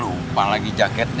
lupa lagi jaketnya